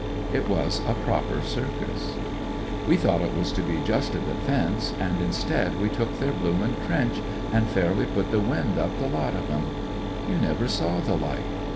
It was a proper circus. We thought it was to be just a defence, and instead we took their blooming trench and fairly put the wind up the lot of them. You never saw the like.